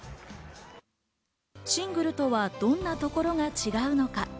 シングルとはどんなところが違うのか。